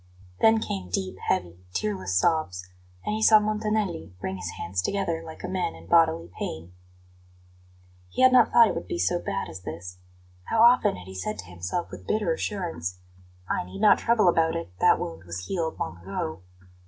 Then came deep, heavy, tearless sobs; and he saw Montanelli wring his hands together like a man in bodily pain. He had not thought it would be so bad as this. How often had he said to himself with bitter assurance: "I need not trouble about it; that wound was healed long ago."